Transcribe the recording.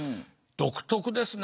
独特ですね。